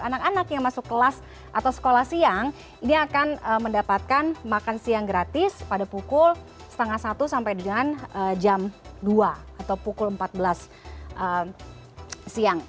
anak anak yang masuk kelas atau sekolah siang ini akan mendapatkan makan siang gratis pada pukul setengah satu sampai dengan jam dua atau pukul empat belas siang